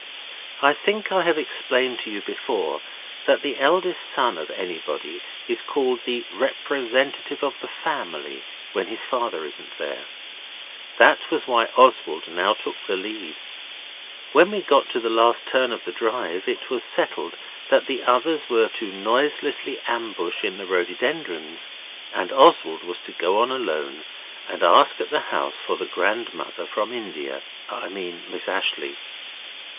I think I have explained to you before that the eldest son of anybody is called the representative of the family if his father isn't there. This was why Oswald now took the lead. When we got to the last turn of the drive it was settled that the others were to noiselessly ambush in the rhododendrons, and Oswald was to go on alone and ask at the house for the grandmother from India I mean Miss Ashleigh.